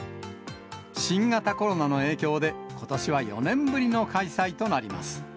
新型コロナの影響で、ことしは４年ぶりの開催となります。